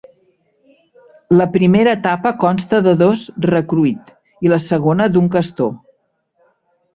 La primera etapa consta de dos Recruit, i la segona d'un Castor.